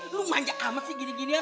lo manjak amat sih gini ginian